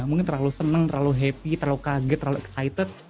mungkin terlalu seneng terlalu happy terlalu kaget terlalu excited